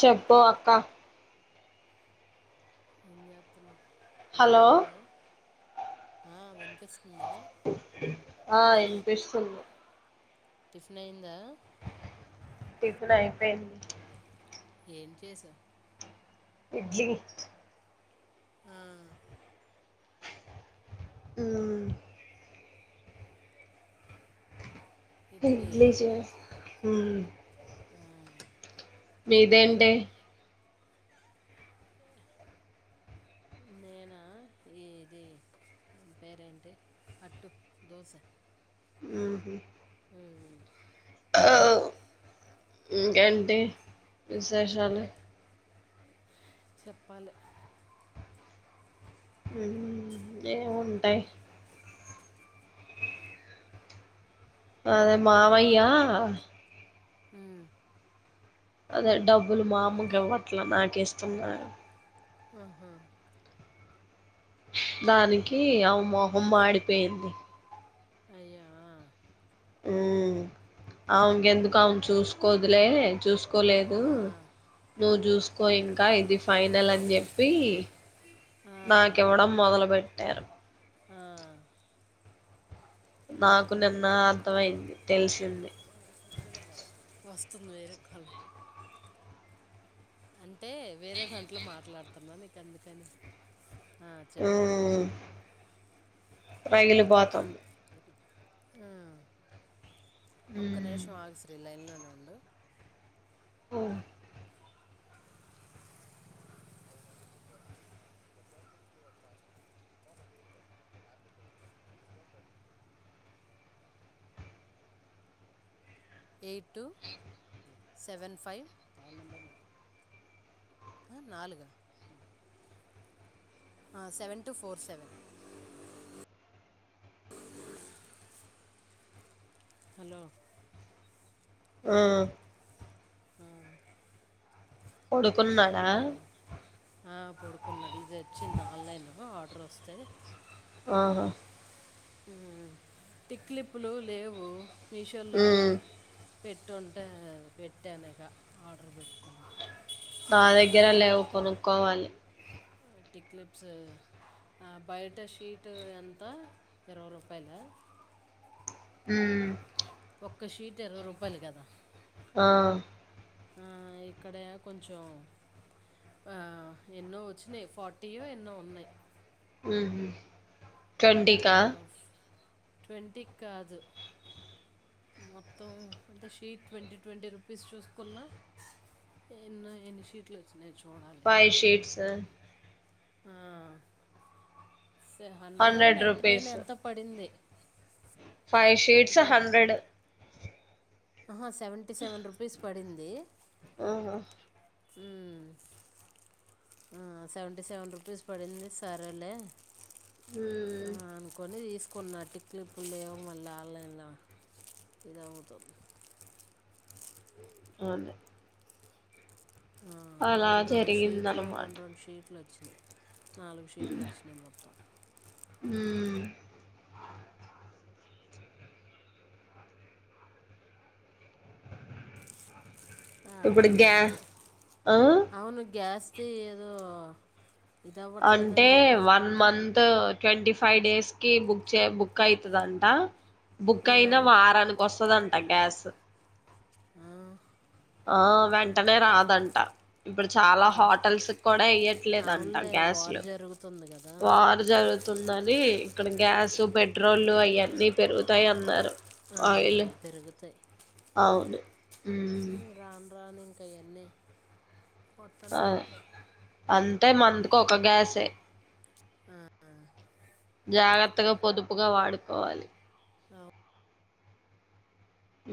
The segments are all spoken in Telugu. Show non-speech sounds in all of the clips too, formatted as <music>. చెప్పు అక్క ఏం చేస్తున్నా టిఫిన్ హలో అయిందా ఆ వినిపిస్తుందా ఆ వినిపిస్తోంది టిఫిన్ అయ్యిందా టిఫిన్ అయిపోయింది ఏం చేసావు ఇడ్లీ ఆ ఉ ఇడ్లీ ఇడ్లీయా చేశా ఆ, మీదేంటి నేనా నేను ఇది దాని పేరేంటి అట్టు దోశ ఉ ఉమ్, ఇంకేంటి విశేషాలు చెప్పాలి ఏముంటాయి అదే మామయ్యా అ అదే డబ్బులు మా అమ్మగా ఇవ్వట్లేదు నాక ఇస్తున్నారు ఆహా దానికి ఆమె మోహం మాడిపోయింది అయ్యో ఉ అమెకి ఎందుకు ఆమె చూసుకోదులే చూసుకో చూసుకోలేదు ఆ, ఆ, నువ్వు చూసుకో ఇంకా ఇది ఫైనల్ అని చెప్పి ఆ, నాకివ్వడం మొదలు బెట్టారు ఆ, అదే నాకు నిన్న అర్థం అయింది తెలిసింది. వస్తున్నాయెరేఖ్ఖలు అంటే వేరే దాంట్లో మాట్లాడుతున్న నీకు అందుకని ఆ, చెప్పు హ్మ్ రగిలి పోతాం హ్మ్ ఒక్క మ్మ్ నిమిషం ఆగు శ్రీ లైన్ లో హ్మ్ <inaudible> ఎయిట్ టూ సెవెన్ ఫైవ్ ఆ నాలుగ seven two four seven hello ఆ.... ఆ.. పడుకున్నాడా ఏ ఆ పొడుకున్నా ఇది వచ్చి ఆన్లైన్లో ఆర్డర్ వస్ స ఆహా టిక్లిప్పులు లేవు మీషోలా మ్మ్ పెట్టుంటే పెట్టానిగ ఆర్డర్ పెట్టుకొని నా దగ్గర లేవు కొనుక్కోవాలి టిక్లిప్స్ బయట షీటు ఎంత ఇరవై రూపాయలా హ్మ్ ఒక షీట్ ఇరవై రూపాయలు కదా ఆ.. ఆ.. ఇక్కడ కొంచెం ఆ ఎన్నో వచ్చినీ ఫార్టీయో ఎన్నో ఉన్నాయ్ హ్మ్ హు ట్వంటీకా ట్వంటీ క్కాదు మొత్తం అంటే షీట్ ట్వంటీ ట్వంటీ రూపీస్ చూసుకున్న ఎన్నో ఎన్ని షీట్లు చు ఫైవ్ షీట్స్ ఆ ఆ.. సెహ హండ్రడో హండ్రెడ్ నైంటీ నైన్ రూపీస్ ఎంతో పడింది. ఫైవ్ షీట్స్ గు హండ్రెడ్ ఆహా సెవెంటీ సెవెన్ రుపీస్ పడింది. ఆహా హ్మ్ హ్మ్ సెవెంటీ సెవెన్ రూపీస్ పడింది సరేలే మ్మ్ ఆ అనుకొని తీస్ కున్న టిక్లిప్పులు లేవు మళ్ళ ఆన్లైన్లో ఇది అవుతో. ఆంది హ్మ్ రెండు రెండు షీట్లు జరిగిందనమాట రెండు రెండు షీట్లు వచ్చినీ నాలుగు షీట్లు వచ్చినీ మొత్తం హ్మ్ ఇప్పుడు గ్యా అవుడికంతె ఆ అవును గ్యాస్ ది ఏదో. ఇది అవ్వట్లేదని అంటే చెప్పి వన్ అంటుంది మంతో ట్వంటీ ఫైవ్ డేస్ కి బుక్ చె బుక్ అయితదంట బుక్ ఆ, అయినా వారానికి వస్ స్తదంట గ్యాస్ ఆ..... ఆ వెంటనే రాదంట ఇప్పుడు చాలా ఆ. హోటల్స్ కూడా ఇయ్యట్లేదంట అవునులే వార్ గ్యాస్లు జరుగుతుంది కదా వారు జరుగుతుందని ఇక్కడ గ్యాస్ పెట్రోల్ అవన్నీ పెరుగుతాయి అన్నారు ఆయిల్ అవునవును పెరుగుతాయి అవును మ్మ్ రాను రాను ఇంకా అవన్నీ అ పొత్తనే ఉంటాయి అంతే మందుకు ఒక గ్యాసే హ్మ్ హు జాగ్రత్తగా పొదుపుగా వాడుకోవాలి ఆప్ ఉ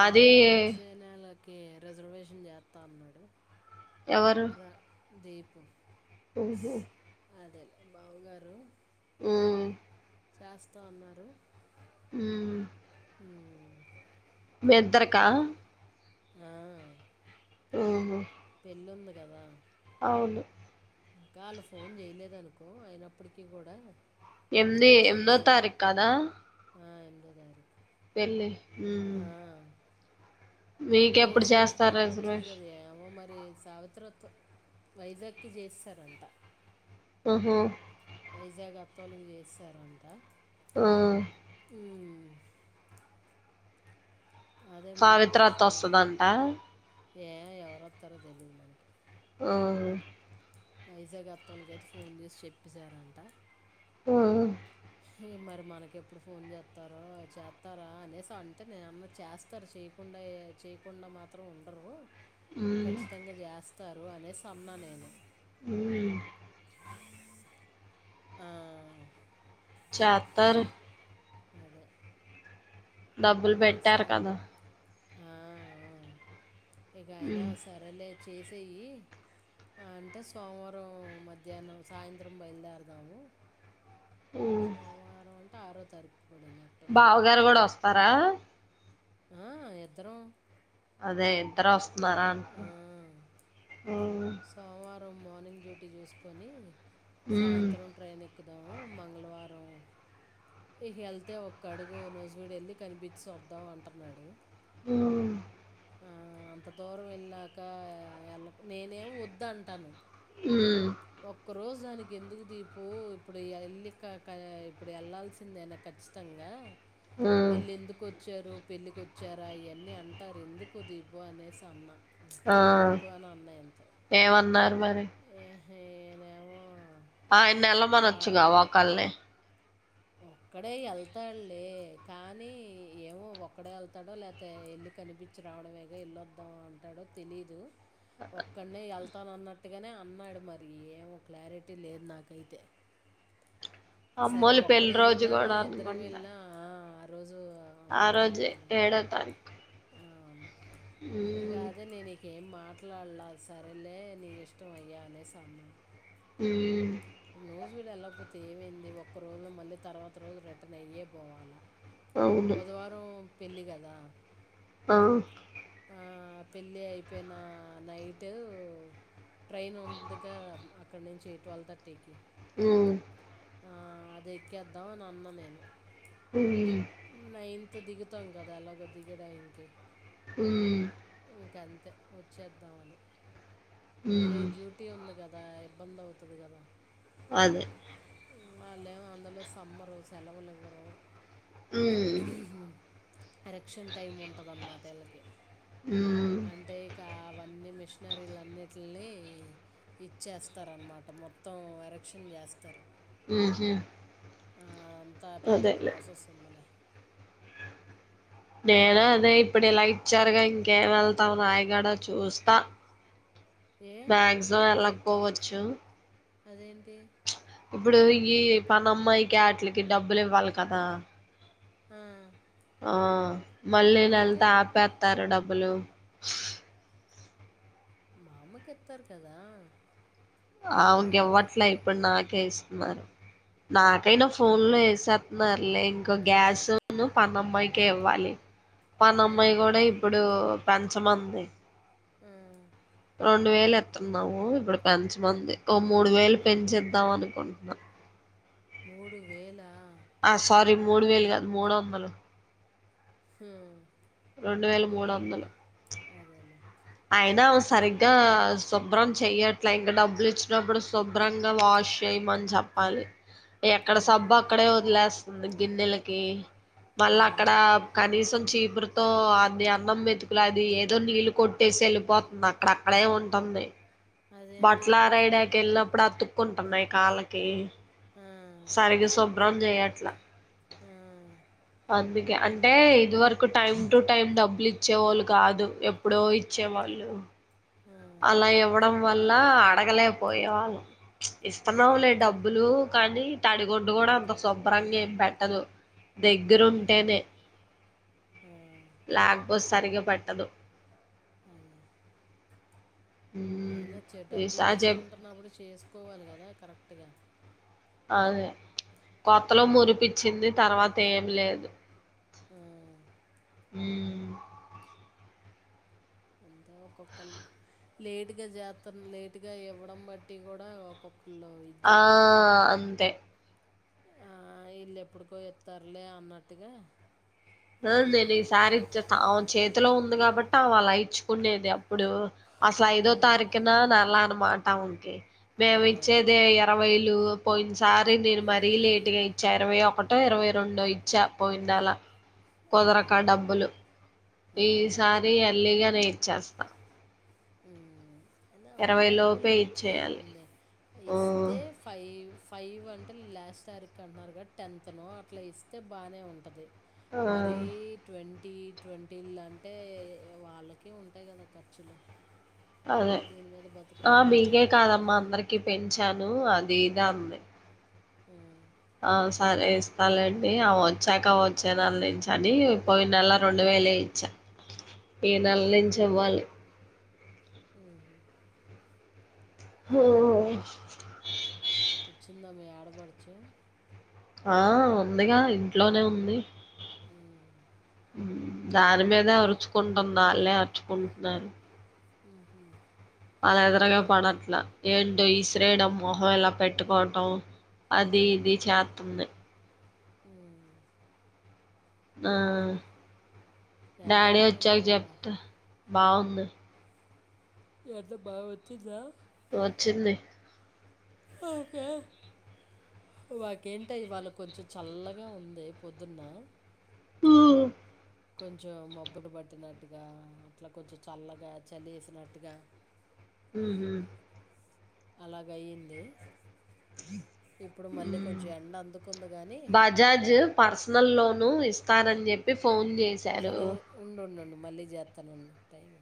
ఏదే వచ్చేనేల ఓకే రిజర్వేషన్ చేతా అన్నాడు ఎవరు రా దీపు హ్మ్ హు అదే బావుగారు ఉ చేస్తా ఉన్నారు ఉ మీ ఇద్దరికా ఆ ఉహూ ఇల్లుంది కదా అవును ఇంకా వాళ్ళు ఫోన్ చేయలేదు అనుకో అయినప్పటికీ కూడా ఎమ్ది చేసి ఉంచితే ఎమిధోతరికు కాదా ఆ, ఎనిమిదో తారీఖు వెళ్ళి హెన్ ఆ చేసి ఉంచితే మంచిది కద ఏమో మ వె సావిత్రత్వ వైజాగ్కి చేస్తార అంతా ఆహా వైజాగ్ అత్త ఒళ్ళకి చేసేసరంట ఆ అదే మ్, సావిత్ర అత్త ఫోన్ వస్తుదంట ఏ ఎవరు వస్తారో తెలిదు మనకి ఆ వైజాగ్ అత్త వాళకీ ఐతే ఫోన్ చేసి చెప్పసారంట హా ఏ మరి మనకెప్పుడు ఫోన్ చేస్తారో చేస్తారా అనేసి అంటే నేన్నా చేస్తారు చేయకు కుండా చేయకుండా మాత్రం ఉండరు మ్మ్ కఖచ్చితంగా చేస్తారు అనేసి అన్నా నేను ఉ ఆ చత్తరు అదే డబ్బులు ఇక స పెట్టారు కదా ఆ ఇక అయినా మ్మ్ సరేలే చేసేయి అంటే సోమవారం మధ్యాహ్నం సాయంత్రం బయలుదేరదాము మ్మ్ సోమవారం అంటే ఆరో తారీఖు పడిందట్టుంది బావగారు కూడా వస్తారా ఆ ఇద్దరం అదే ఇద్దరు వస్తున్నారా అంట ఆ సోమవారం మార్నింగ్ డ్యూటీ చూస్కొని సాయంత్రం ట్రైన్ ఎక్కుదాము మంగళవారం ఇకెళ్తే ఒక్క అడుగు నూజివీడేళ్ళి కనిపించద్దాం అంటన్నాడు. మ్మ్ ఆ అంత దూరం వెళ్ళాక వెల్ నేనేమో వద్దంటన్న ఉమ్ ఒక్క రోజ్ జ్దానికి ఎందుకు దీపు ఇప్పుడెల్లి క క ఇప్పుడు వెళ్లాల్సిందేనా ఖచ్చితంగా మళ్ళెందుకొచ్చారు పెళ్ళికొచ్చారా ఇవన్నీ అంటారు ఎంద్ కుదిపో అనేసన్న ఆ ఏమన్నార్మరి నేనేమో ఆయన్నెల్లమనచ్చుగా ఒకల్నే ఒక్కడే వెళ్తాడ్లే కానీ ఏమో ఒక్కడే వెళ్తాడో లేకపోతే వెళ్ళి కనిపించి రావడమేగా వెళ్లొద్దాం అంటాడో తెలీదు ఒక్కడ్నే వత్తానన్నట్టుగానే అన్నాడు మరి ఏమో క్లారిటీ లేద్ నాకైతే అమ్మోల్ పెళ్ కెళ్ళిన ఇద్దరమేళ్ళిన ఆ రోజే ఏడో తారీఖు ఉమ్ ఇగదే నేని కేం మాట్లాడ్ల సరేలే నీ ఇష్టం అయ్యా అనేసన్న మ్మ్ ఇప్పుడు నూజ్ వెళ్ళక పోతే ఏమైంది ఒక్క రోజులో మళ్ళీ తర్వాత రోజు రిటర్న్ అయ్యే పోవాలా అవును బుధవారం పెళ్లి కదా ఆ ఆ పెళ్ళి అయిపోయిన నైట్ ట్రైన్ ఉందిగా అక్ అక్కడ్నుంచి ట్వల్ థర్టీకీ మ్మ్ ఆ అదేక్కేద్దాం అనన్న నేను మ్మ్ సో దిగుతాం కదా ఎలాగో దిగే టైమ్కి ఉమ్మ్ <unintelligible> వచ్చేద్దామని మళ్ళీ ఉమ్ డ్యూటీ ఉంది కద దా ఇబ్బందవుతది కదా అదే మ్మ్ వాళ్లేం అందులో సమ్మరు సెలవలివ్వరు. ఉమ్మ్ ఎరక్షన్ టైం ఉంటదన్నమాట వీళ్ళకి ఉమ్ అంటే ఇకా అవన్నీ మిష్నరీలన్నిట్లిని ఇచ్చేస్తారనమాట మొత్తం ఎరక్షన్ చేస్తరు. మ్మ్ హూ ఆ అంతా పెద్ద ప్రాసెస్ ఉందిలే నేను అదే ఇప్పుడు ఇలాగిచ్చారుగా ఇంకేం వెళ్తాం నాయీ గూడ చూస్తా ఏ మ్యాక్జిమమ్ వెళ్లక పోవచ్చు. అదేంటి ఇప్పుడు ఈ పన్నమ్మాయికి ఆట్లీకి డబ్బులివ్వాలి కదా ఆ ఆ మళ్ళీ అయితే నెల్తో ఆపేత్తారు డబ్బులు. అమ్మకిత్తారు కదా అమేకెవ్వట్లే ఇప్పుడు నాకే ఇస్తున్నారు నాకైనా ఫోన్ లో వేసేస్తున్నారులే ఇంకో గ్యాస్ పనమ్మాయికే ఇవ్వాలి ఆ, పనమ్మాయి కూడా ఇప్పుడు పెంచమంది ఉ రెండు వేలు ఎత్తున్నాము ఇప్పుడు పెంచమంది ఓ మూడు వేలు పెంచేద్దాం అనుకుంటున్నా మూడు వేలా ఆ సారీ మూడు వేలు కాదు మూడు వందలు హుమ్ రెండు వేల మూడు వందలు అదేలే అయినా ఆమె సరిగ్గా శుభ్రం చెయ్యట్ల ఇంక డబ్బులు ఇచ్చినప్పుడు శుభ్రంగా వాష్ చేయ మం చెప్పాలి ఎక్కడ ఆ, సబ్బు అక్కడే వదిలేస్తంది గిన్నెలకి ఆ, మళ్ళా అక్కడ కనీసం చీపురుతో అది అన్నం మెతుకుల అది ఏదో నీళ్ళు కొట్ చేసి వెళ్ళిపోతుంది అక్కడ అక్కడే ఉంటుంది అదేంటి బట్టలారేయడానికి వెళ్ళినప్పు అప్పుడు అతుక్కుంటున్నాయి కాళ్ళకి ఆ, సరిగ శుభ్రం చేయట్లా ఆ, అందు అంటే ఇది వరకు టైమ్ టు టైం డబ్బులు ఇచ్చేవోళ్ళు కాదు ఎప్పుడో ఇచ్చే వాళ్ళు ఆ, అలా ఇవ్వడం వల్ల అడగలేకపోయేవాళ్ళు ఆ, ఇస్తన్నావులే డబ్బులు కానీ తడిగుడ్డు కూడా అంత శుభ్రంగా ఏం పెట్టదు దగ్గర ఉంటేనే ఆ, లే సరిగ పెట్టదు <inaudible> ఉమ్, అయినా డబ్బులు ఈసారి చెప్ తీసుకుంటున్నప్పుడు చేసుకోవాలి కదా కరెక్టుగా అదె కొత్తలో మురిపిచ్చింది తర్వాత ఏం లేదు ఆమ్ ఉమ్ అంతే ఒక్కొక్కళ్ళు లేటుగా జాత్తం లేటుగా ఇవ్వడం బట్టి కూడా ఒక్కొక్క ఆ అంతే ఆ ఈళ్ళు ఎప్పుడుకో ఇత్తరులే అన్నట్టుగా ఏముంది లె ఈసారి ఇచ్చే ఆ చేతిలో ఉంది కాబట్టి అమె అలా ఇచ్చుకునేది అప్పుడు అసలు ఐదో ఉమ్ తారీఖున నెల్ల అన్నమాట ఉంది ఆ మేమి ఇచ్చేది ఇరవైలు పోయిన సారి నేను మరీ లేటుగా ఇచ్చా ఇరవై ఒకటో ఇరవై రెండో ఇచ్చా పోయిన నెలా కుదరక డబ్బులు ఆ ఆ ఈసారి ఎర్లీగానేే ఇచ్చేస్తా ఉ ఇరవై అంతవరకు లోపే లేట్ ఇచ్చేయాలి చేయకూడదు లే ఆ ఇస్తే ఫైవ్ ఫైవ్ అంటే లాస్ట్ తారీఖు అంటున్నారు కదా టెన్త్ ను అట్లా ఇస్తే బానే ఉంటది ఆ మరీ ట్వం మరీ ట్వంటీలు అంటే వాళ్ళకి ఉంటాయి కదా ఖర్చులు అదే వాళ్ళు దీని మీద ఆ బతుక్కునే వాళ్ళే బిగే కదా! కాదమ్మా అందరికి పెంచాను అది ఇది అంది మ్ <unintelligible> ఆ సరే ఇస్తా లేండి ఆమె వచ్చాక వచ్చే నెల నుంచి అని పోయి నెల రెండు వేలు నెలే ఇచ్ఛా <unintelligible> ఈ నెల నుంచి ఇవ్వాలి అ <unintelligible> ఆ వచ్చిందా మీ ఆడపడచు ఆ ఉందిగా ఇంట్లోనే ఉంది <unintelligible> దాని మీదే అరుచుకుంటుంది ఆళ్ళే అరుచుకుంటున్నారు ఉహూ అలా ఇద్దరికీ పడట్లా ఏంటో ఇసిరేయడం మొహం ఇలా పెట్టుకోవటం అది ఇది చేత్తంది ఉమ్ ఆ డాడీ ఎండెలా ఉంది వచ్చాక ఇవాళ? చెప్త బావుంది ఎట్ల బా వచ్చిందా వచ్చింది ఓకే మాకేంటే ఇవాళ కొంచెం చల్లగా ఉంది పొద్దున్న ఆ కొంచెం మబ్బులు పట్టినట్టుగా అట్లా కొంచెం చల్లగా చలేసినట్టుగా ఉహూ అలాగ అయ్యింది ఇప్పుడు మళ్ళీ ఊ కొంచెం ఎండ అందుకుంద గాని నువ్ ఇస్తారని చెప్పి ఫోన్ చే సరే ఉండుండు మళ్ళీ చేస్తానుండు టైం